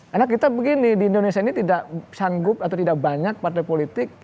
karena kita begini di indonesia ini tidak sanggup atau tidak banyak partai politik